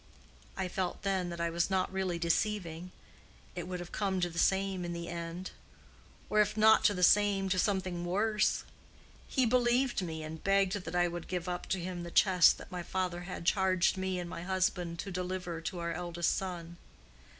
I felt then that I was not really deceiving: it would have come to the same in the end; or if not to the same, to something worse. He believed me and begged that I would give up to him the chest that my father had charged me and my husband to deliver to our eldest son.